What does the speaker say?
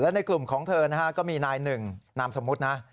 ในกลุ่มของเธอนะฮะก็มีนายหนึ่งนามสมมุตินะ